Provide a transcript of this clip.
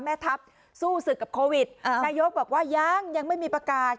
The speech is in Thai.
แม่ทัพสู้ศึกกับโควิดนายกบอกว่ายังยังไม่มีประกาศ